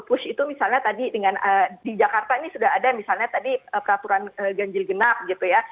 push itu misalnya tadi dengan di jakarta ini sudah ada misalnya tadi peraturan ganjil genap gitu ya